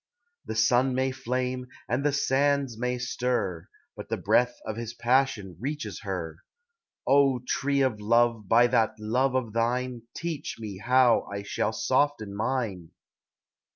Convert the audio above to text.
The sun may flame, and the sands may stir, But the breath of his passion reaches her. O tree of love, by that love of thine, Teach me how I shall soften mine